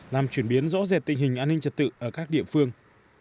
làm chuyển biến rõ rệt tình hình an ninh trật tự ở các địa phương